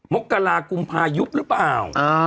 มกรากุมภายุบหรือเปล่า